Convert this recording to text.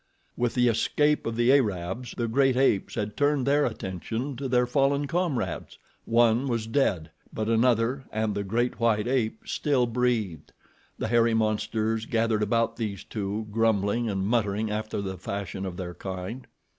With the escape of the Arabs the great apes had turned their attention to their fallen comrades. One was dead, but another and the great white ape still breathed. The hairy monsters gathered about these two, grumbling and muttering after the fashion of their kind.